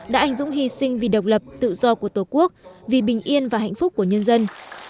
đã ảnh dũng hy sinh vì độc lập tự do của tổ quốc vì bình yên và hạnh phúc của nhân dân